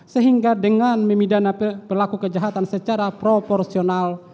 sehingga dengan memidana pelaku kejahatan secara proporsional